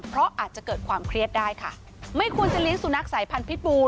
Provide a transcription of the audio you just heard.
เพราะอาจจะเกิดความเครียดได้ค่ะไม่ควรจะเลี้ยสุนัขสายพันธิ์บูร